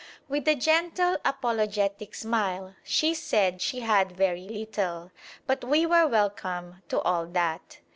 With a gentle apologetic smile she said she had very little, but we were welcome to all that.